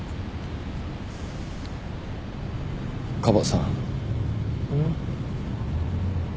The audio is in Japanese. カバさん。